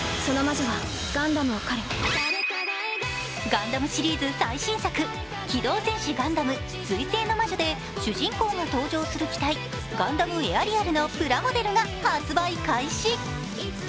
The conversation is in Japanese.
「ガンダム」シリーズ最新作、「機動戦士ガンダム水星の魔女」で主人公が搭乗する機体、ガンダム・エアリアルのプラモデルが発売開始。